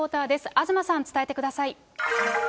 東さん、伝えてください。